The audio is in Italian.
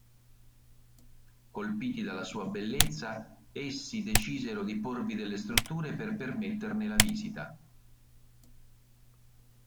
Colpiti dalla sua bellezza, essi decisero di porvi delle strutture per permetterne la visita.